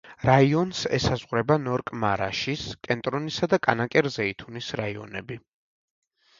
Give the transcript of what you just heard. რაიონს ესაზღვრება ნორკ-მარაშის, კენტრონისა და კანაკერ-ზეითუნის რაიონები.